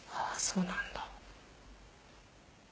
あそうなんだ。